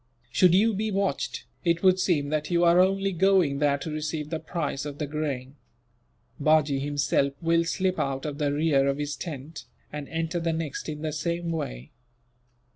Should you be watched, it would seem that you are only going there to receive the price of the grain. Bajee himself will slip out of the rear of his tent, and enter the next in the same way.